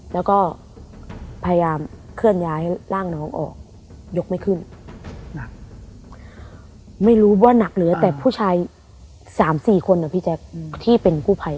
แล้วก็พยายามเคลื่อนย้ายให้ร่างน้องออกยกไม่ขึ้น